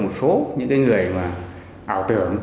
một số những người ảo tưởng